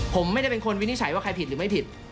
ผมไม่ได้เป็นคนวินิจฉัยว่าใครผิดหรือไม่ผิด